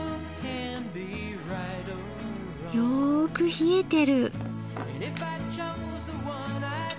よく冷えてる。